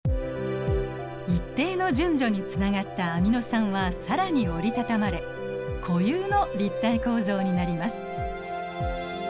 一定の順序につながったアミノ酸は更に折り畳まれ固有の立体構造になります。